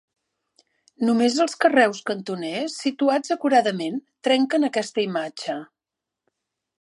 Només els carreus cantoners situats acuradament trenquen aquesta imatge.